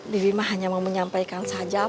bibi mah hanya mau menyampaikan saja